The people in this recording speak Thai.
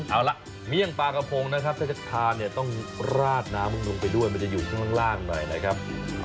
เอาละเมี่ยงปลากระพงนะครับถ้าจะทานเนี่ยต้องราดน้ำลงไปด้วยมันจะอยู่ข้างล่างหน่อยนะครับ